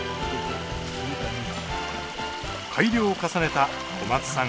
改良を重ねた小松さん